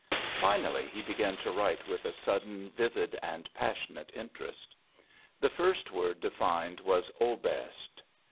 Finally, he began to write with a sudden vivid and passionate interest. The first word defined was "Oberst."